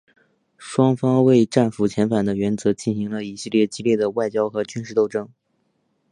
双方为战俘遣返的原则进行了一系列激烈的外交和军事斗争。